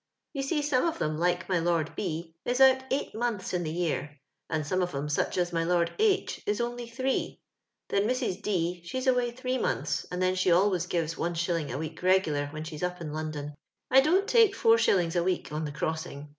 You see some of 'em, like my Lord B , is out eight montlis in tlie year; and some of 'em, such as my Lord H , is only three. Then Mrs. D ', she's away three months, and she always gives 1». a week rcg lar when she's up in London. *• I don't take 4ts. a week on the crossing.